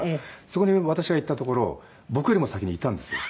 そこに私が行ったところ僕よりも先にいたんですよ。